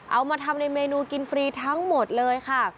เอามาทำในเมนูกินฟรีทั้งหมดเลยค่ะ